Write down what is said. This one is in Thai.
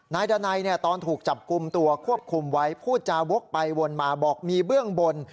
นายดานัยตอนถูกจับกลุ่มตัวควบคุมไว้พูดจาวกไปวนมาบอกมีเบื้องบน